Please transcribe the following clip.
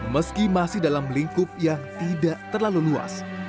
meski masih dalam lingkup yang tidak terlalu luas